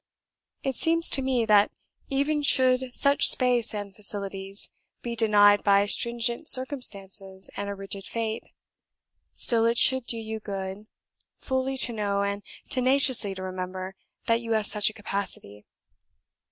It seems to me that, even should such space and facilities be denied by stringent circumstances and a rigid fate, still it should do you good fully to know, and tenaciously to remember, that you have such a capacity.